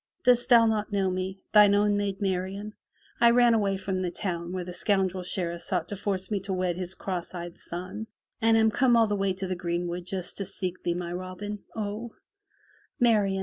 Dost thou not know me — thine own Maid Marian? I ran away from the town where the scoundrel Sheriff sought to force me to wed 60 FROM THE TOWER WINDOW his cross eyed son and am come all the way to the greenwood just to seek thee, my Robin, O!*' "Marian!